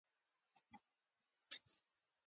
صداقت او سپېڅلتیا بې له علمه کمزوري او بې فائدې دي.